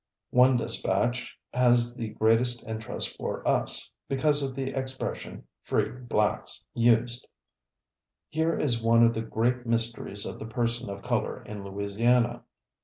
One dispatch has the greatest interest for us, because of the expression "free blacks" used. Here is one of the great mysteries of the person of color in Louisiana.